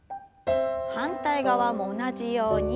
反対側も同じように。